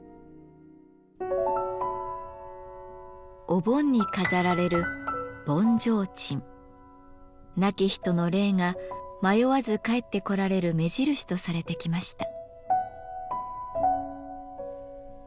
お盆に飾られる亡き人の霊が迷わず帰ってこられる目印とされてきました。